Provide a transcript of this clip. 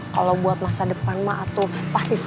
kalau buat masa depan ma tuh pasti saya mau